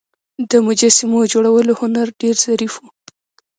د مجسمو جوړولو هنر ډیر ظریف و